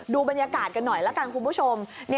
ดูบรรยากาศกันหน่อยละกันคุณผู้ชม